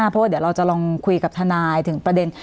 เพราะว่าเดี๋ยวเราจะลองคุยกับทนายถึงประเด็น